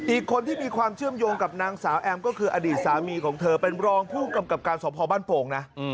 อีกคนที่มีความเชื่อมโยงกับนางสาวแอมก็คืออดีตสามีของเธอเป็นรองผู้กำกับการสอบพอบ้านโป่งนะ